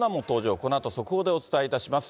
このあと速報でお伝えいたします。